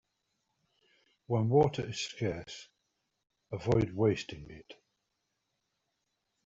When water is scarce, avoid wasting it.